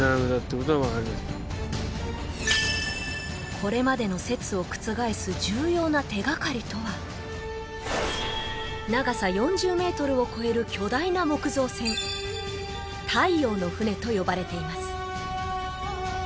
これまでの説を覆す需要な手がかりとは長さ４０ｍを超える巨大な木造船太陽の船と呼ばれています